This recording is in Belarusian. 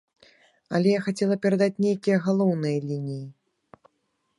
Але я хацела перадаць нейкія галоўныя лініі.